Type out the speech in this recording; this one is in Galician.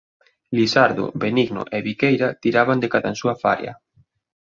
Lisardo, Benigno e Viqueira tiraban de cadansúa faria.